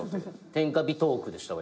天下ビトークでしたわ